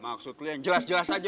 maksud lu yang jelas jelas aja